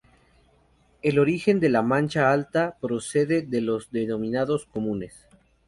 El origen de la Mancha Alta, procede de los denominados "comunes".